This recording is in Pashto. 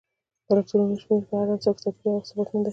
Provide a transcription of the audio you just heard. د الکترونونو شمیر په هر عنصر کې توپیر لري او ثابت نه دی